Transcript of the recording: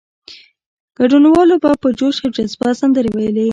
ګډونوالو به په جوش او جذبه سندرې ویلې.